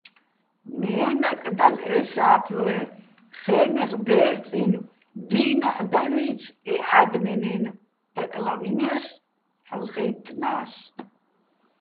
მე́ნაკ დალ ე სა́ფლვე, ხე́ნეღ დერწინო̆ დინაჸ დანუჲცი̆ ე ა́დმიეჼ-ნაჲნო̆ დაკლავინე́ს, ჰ̦ალო́ ხაჲტტნა́ს.